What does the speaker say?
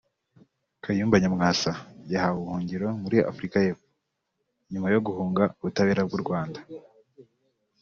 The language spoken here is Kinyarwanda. Kayumba Nyamwasa yahawe ubuhungiro mu gihugu cy Afurika y’epfo nyuma yo guhunga ubutabera bw’u Rwanda